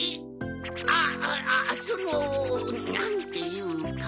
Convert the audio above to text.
あぁそのなんていうか。